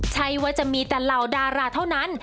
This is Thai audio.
ใช่ว่าจะมีแต่เหล่าดาราเท่านั้น